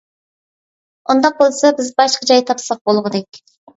ئۇنداق بولسا بىز باشقا جاي تاپساق بولغۇدەك.